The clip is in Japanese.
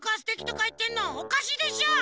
おかしいでしょ！？